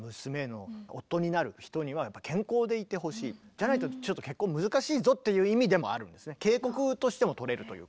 じゃないとちょっと結婚難しいぞっていう意味でもあるんですね。警告としても取れるというか。